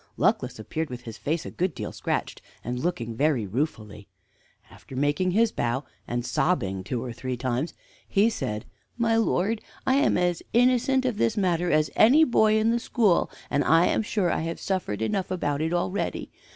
Luckless appeared with his face a good deal scratched, and looking very ruefully. After making his bow and sobbing two or three times, he said: "My lord, I am as innocent of this matter as any boy in the school, and I am sure I have suffered enough about it already.